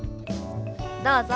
どうぞ。